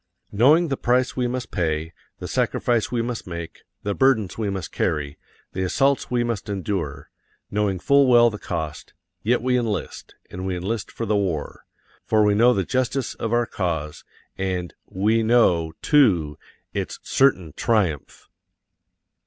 Knowing the price we must pay, the sacrifice we must make, the burdens we must carry, the assaults we must endure knowing full well the cost yet we enlist, and we enlist for the war. For we know the justice of our cause, and _we know, too, its certain triumph.